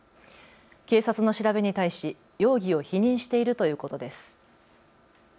警察の調べに対し容疑を否認しているということです。